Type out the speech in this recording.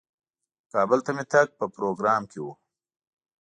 کابل ته مې تګ په پروګرام کې و.